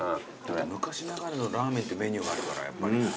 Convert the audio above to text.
昔ながらのラーメンってメニューがあるからやっぱり。